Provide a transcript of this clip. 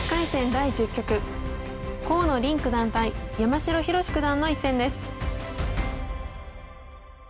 第１０局河野臨九段対山城宏九段の一戦です。